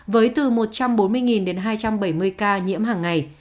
với từ một trăm bốn mươi đến hai trăm bảy mươi ca